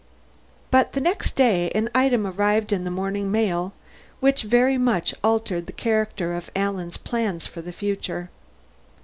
But the next day an item arrived in the morning mail which very much altered the character of Alan's plans for the future.